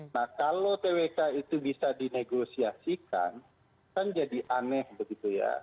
nah kalau twk itu bisa dinegosiasikan kan jadi aneh begitu ya